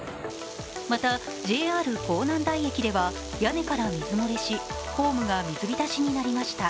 また、ＪＲ港南台駅では屋根から水漏れし、ホームが水浸しになりました。